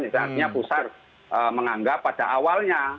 artinya pusat menganggap pada awalnya